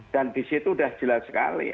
dan di situ sudah jelas sekali